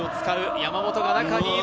山本が中にいる。